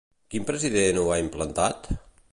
Quin president ho ha implantat?